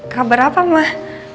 kabar apa mah